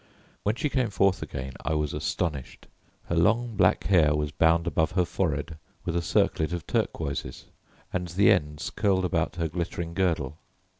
When she came forth again I was astonished. Her long black hair was bound above her forehead with a circlet of turquoises, and the ends, curled about her glittering girdle.